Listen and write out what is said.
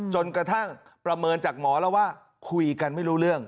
จนกระทั่งประเมินจากหมอแล้วว่าคุยกันไม่รู้เรื่อง